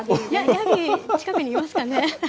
やぎ、近くにいますかね。